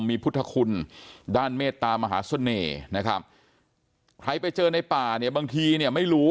มีพุทธคุณด้านเมตตามหาเสน่ห์นะครับใครไปเจอในป่าเนี่ยบางทีเนี่ยไม่รู้